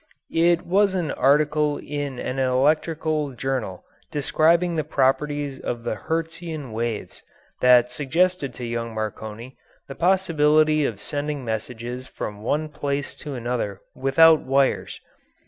It was an article in an electrical journal describing the properties of the "Hertzian waves" that suggested to young Marconi the possibility of sending messages from one place to another without wires.